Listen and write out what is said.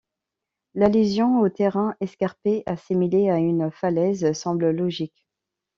L'allusion au terrain escarpé, assimilé à une falaise, semble logique.